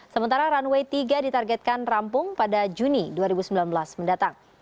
sementara runway tiga ditargetkan rampung pada juni dua ribu sembilan belas mendatang